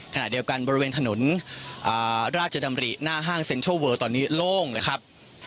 ขณะเดียวกันบริเวณถนนราชดำริหน้าห้างเซ็นทรัลเวอร์ตอนนี้โล่งเลยครับ